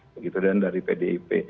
begitu dan dari pdip